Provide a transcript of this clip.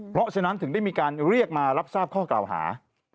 เพราะฉะนั้นถึงได้มีการเรียกมารับทราบข้อกล่าวหา